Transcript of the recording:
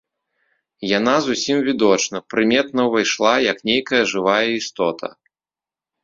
Яна зусім відочна, прыметна ўвайшла, як нейкая жывая істота.